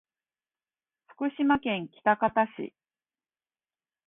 福島県喜多方市